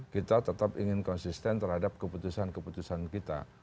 kita tetap ingin konsisten terhadap keputusan keputusan kita